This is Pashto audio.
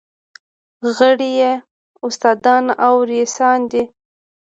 غړي یې استادان او رییسان دي.